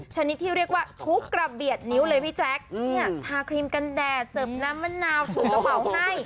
ชนิดที่เรียกว่าทุกระเบียดนิ้วเลยพี่แจ๊คเนี่ยทาครีมกันแดดเสิร์ฟน้ำมะนาวสูบกระเป๋าให้